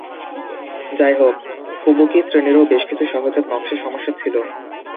যাইহোক, "ফুবুকি" শ্রেণীরও বেশ কিছু সহজাত নকশা সমস্যা ছিল।